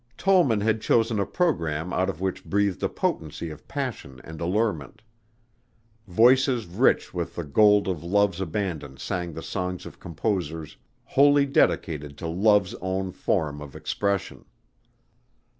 Tollman had chosen a program out of which breathed a potency of passion and allurement. Voices rich with the gold of love's abandon sang the songs of composers, wholly dedicated to love's own form of expression.